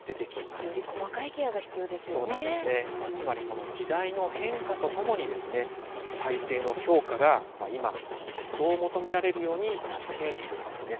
まあつまりこの時代の変化とともにですね体制の強化が今一層求められるようになっているんですね。